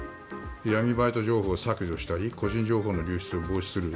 闇バイト情報を削除したり個人情報の流出を防止する。